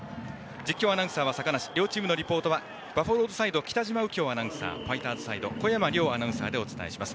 実況アナウンサーは坂梨両チームのリポートはバファローズサイド北嶋右京アナウンサーファイターズサイド小山凌アナウンサーでお伝えします。